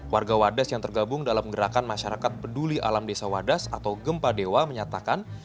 warga wadas yang tergabung dalam gerakan masyarakat peduli alam desa wadas atau gempa dewa menyatakan